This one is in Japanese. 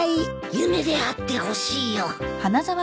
夢であってほしいよ。